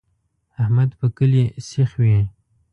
احمد په کلي سیخ وي.